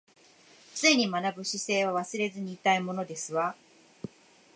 常に学ぶ姿勢は忘れずにいたいものですわ